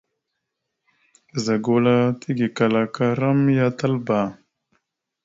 Ɓəza gula tigekala aka ram ya Talba.